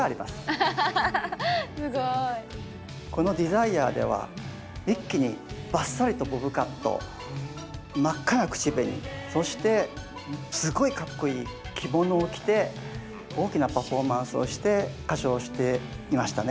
この「ＤＥＳＩＲＥ−情熱−」では一気にばっさりとボブカット真っ赤な口紅そしてすごいかっこいい着物を着て大きなパフォーマンスをして歌唱していましたね。